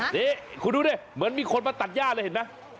นี่คุณดูดิเหมือนมีคนมาตัดย่าเลยเห็นไหม